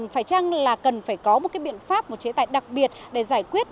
phải chăng là cần phải có một cái biện pháp một chế tài đặc biệt để giải quyết